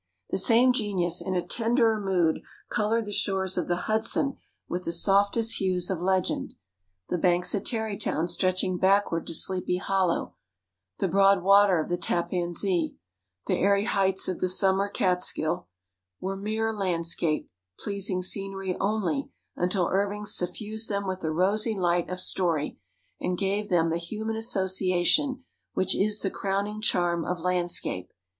The same genius in a tenderer mood colored the shores of the Hudson with the softest hues of legend. The banks at Tarrytown stretching backward to Sleepy Hollow, the broad water of the Tappan Zee, the airy heights of the summer Katskill, were mere landscape, pleasing scenery only, until Irving suffused them with the rosy light of story, and gave them the human association which is the crowning charm of landscape.